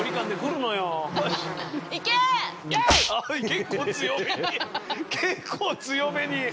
結構強めに結構強めに。